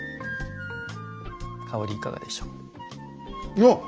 香りいかがでしょう？